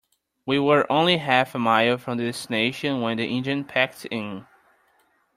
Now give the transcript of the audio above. We were only half a mile from the destination when the engine packed in.